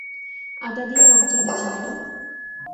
আদা দিয়ে রঙ চা এনেছি, ম্যাডাম?